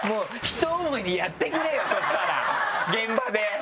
そしたら現場で。